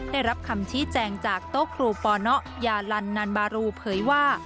ได้รับคำชี้แจงจากโต๊ะครูปนยาลันนันบารูเผยว่า